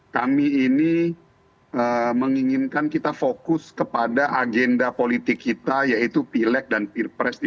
kami ini menginginkan kita fokus kepada agenda politik kita yaitu pileg dan pilpres di dua ribu dua puluh empat